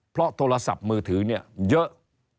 เพราะโทรศัพท์มือถือเนี่ยเยอะ